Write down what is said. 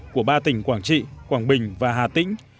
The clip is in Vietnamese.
của ba tỉnh quảng trị quảng bình và hà tĩnh